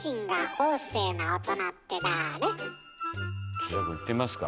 土田くんいってみますか？